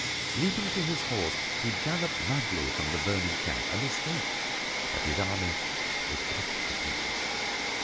Leaping to his horse, he galloped madly from the burning camp and escaped, but his army was cut to pieces.